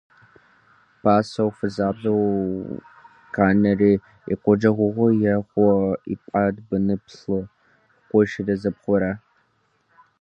Пасэу фызабэу къанэри, икъукӀэ гугъу ехьу ипӀат быниплӀ: къуищрэ зыпхъурэ.